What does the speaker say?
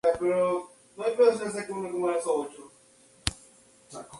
La corte de apelaciones devolvió el caso al tribunal de distrito.